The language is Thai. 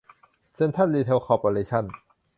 เซ็นทรัล รีเทล คอร์ปอเรชั่น